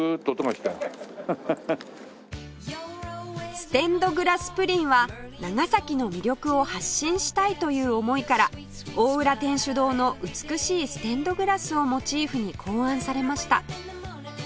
ステンドグラスプリンは長崎の魅力を発信したいという思いから大浦天主堂の美しいステンドグラスをモチーフに考案されました